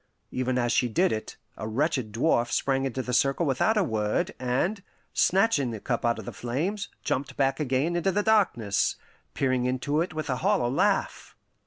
Even as she did it, a wretched dwarf sprang into the circle without a word, and, snatching the cup out of the flames, jumped back again into the darkness, peering into it with a hollow laugh.